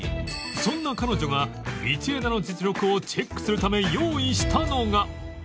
そんな彼女が道枝の実力をチェックするため用意したのが